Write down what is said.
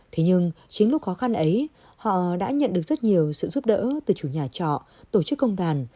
thế nhưng chính lúc khó khăn ấy họ đã nhận được rất nhiều sự giúp đỡ từ chủ nhà trọ tổ chức công đoàn